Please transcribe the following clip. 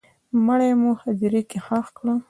مړی مو هدیره کي ښخ کړی